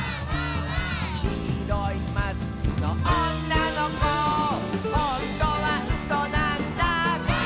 「きいろいマスクのおんなのこ」「ほんとはうそなんだ」